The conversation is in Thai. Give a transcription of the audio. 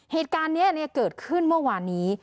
เหตุการณ์นี้เกิดขึ้นเมื่อวานนี้